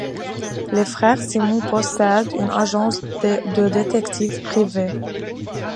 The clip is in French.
Les frères Simon possèdent une agence de détectives privés.